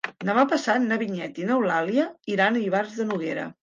Demà passat na Vinyet i n'Eulàlia iran a Ivars de Noguera.